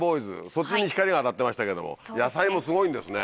そっちに光が当たってましたけども野菜もすごいんですね